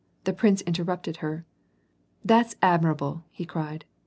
The prince inter rupted lier. "Tliat's admirable," lie cried.